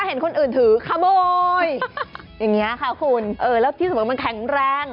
เห็นคนอื่นถือขโมยอย่างนี้ค่ะคุณเออแล้วที่สมมุติมันแข็งแรง